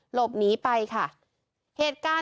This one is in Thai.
หลบหนีไปค่ะ